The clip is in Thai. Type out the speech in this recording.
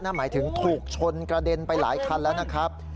หมายถึงถูกชนกระเด็นไปหลายคันแล้วนะครับ